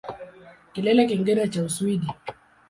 Kilele kingine cha Uswidi